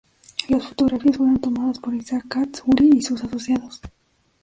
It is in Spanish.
Las fotografías fueron tomadas por Isaac Katz, Uri y sus asociados.